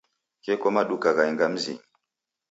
Gheko maduka ghaenga mzinyi.